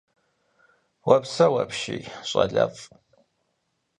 -Упсэу апщий, щӀэлэфӀ.